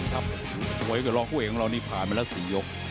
ครับโหยก็รอกผู้เองของเรานี่ผ่านไปแล้ว๔ยก